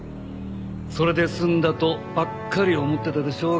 それで済んだとばっかり思ってたでしょうが